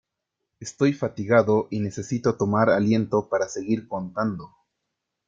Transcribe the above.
Estoy fatigado y necesito tomar aliento para seguir contando.